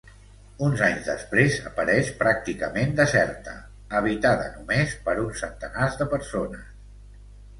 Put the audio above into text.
Uns anys després apareix pràcticament deserta, habitada només per uns centenars de persones.